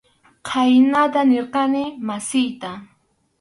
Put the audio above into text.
Khaynata nirqani masiyta.